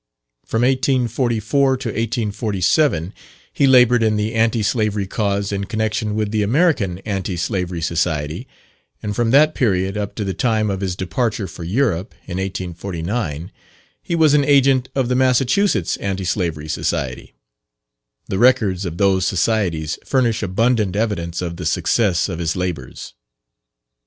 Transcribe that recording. From 1844 to 1847 he laboured in the anti slavery cause in connection with the American Anti Slavery Society, and from that period up to the time of his departure for Europe, in 1849, he was an agent of the Massachusetts Anti Slavery Society. The records of those societies furnish abundant evidence of the success of his labours.